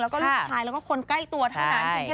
แล้วก็ลูกชายแล้วก็คนใกล้ตัวเท่านั้น